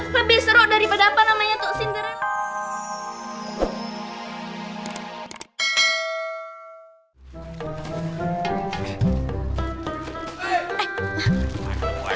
lebih seru daripada apa namanya tuh sindrome